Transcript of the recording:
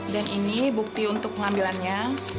dan ini bukti untuk pengambilannya